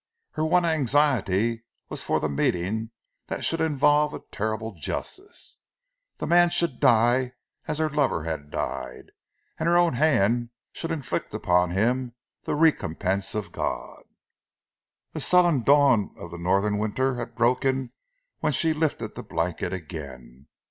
Her one anxiety was for the meeting that should involve a terrible justice; the man should die as her lover had died; and her own hand should inflict upon him the recompense of God. The sullen dawn of the Northern winter had broken when she lifted the blanket again.